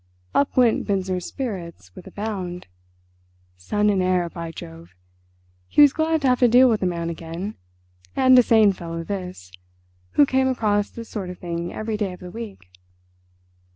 Up went Binzer's spirits with a bound. Son and heir, by Jove! He was glad to have to deal with a man again. And a sane fellow this, who came across this sort of thing every day of the week.